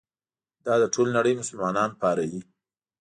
دا د ټولې نړۍ مسلمانان پاروي.